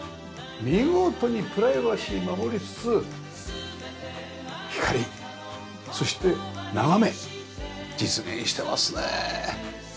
見事にプライバシー守りつつ光そして眺め実現してますね。